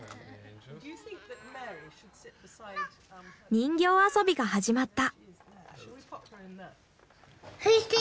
人形遊びが始まった。